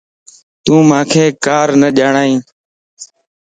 تون مانک کار نه ڄارائي